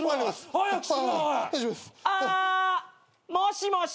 ・あーもしもし？